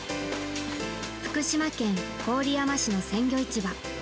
福島県郡山市の鮮魚市場。